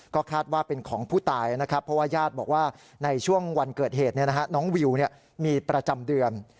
ก็คาดว่าเป็นของผู้ตายนะครับเพราะว่าญาติบอกว่าในช่วงวันเกิดเหตุน้องวิวมีประจำเดือน